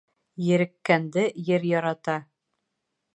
Ереккәнде ер ярата.